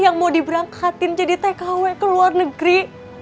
yang mau diberangkatin jadi tkw ke luar negeri